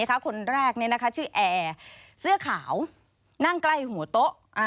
คนแรกชื่อแอร์เสื้อขาวนั่งใกล้หัวโต๊ะ